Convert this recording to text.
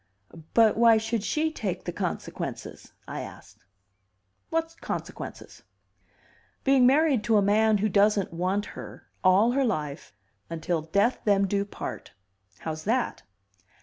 "But why should she take the consequences?" I asked. "What consequences?" "Being married to a man who doesn't want her, all her life, until death them do part. How's that?